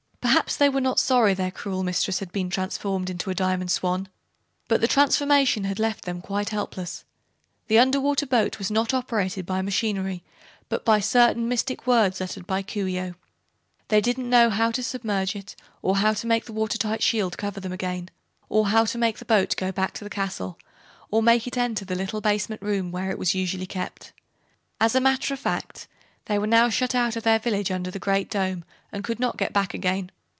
Perhaps they were not sorry their cruel mistress had been transformed into a Diamond Swan, but the transformation had left them quite helpless. The under water boat was not operated by machinery, but by certain mystic words uttered by Coo ee oh. They didn't know how to submerge it, or how to make the water tight shield cover them again, or how to make the boat go back to the castle, or make it enter the little basement room where it was usually kept. As a matter of fact, they were now shut out of their village under the Great Dome and could not get back again.